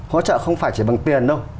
hỗ trợ không phải chỉ bằng tiền đâu